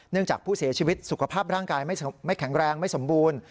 จากผู้เสียชีวิตสุขภาพร่างกายไม่แข็งแรงไม่สมบูรณ์